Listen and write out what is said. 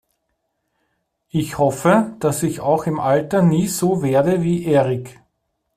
Ich hoffe, dass ich auch im Alter nie so werde wie Erik.